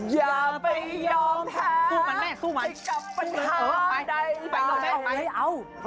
อย่าไปยอมแท้กับปัญหาใดใด